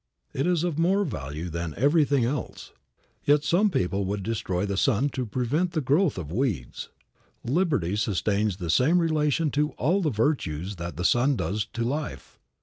It is of more value than everything else. Yet some people would destroy the sun to prevent the growth of weeds. Liberty sustains the same relation to all the virtues that the sun does to life.